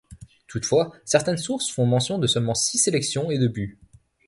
Toutefois, certaines sources font mention de seulement six sélections et deux buts.